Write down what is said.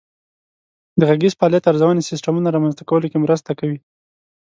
د غږیز فعالیت ارزونې سیسټمونه رامنځته کولو کې مرسته کوي.